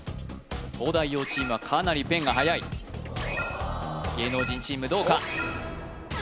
東大王チームはかなりペンが速い芸能人チームどうか？